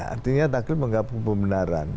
artinya taklit menggabung pembunaran